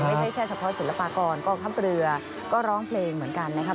ไม่ใช่แค่เฉพาะศิลปากรกองทัพเรือก็ร้องเพลงเหมือนกันนะครับ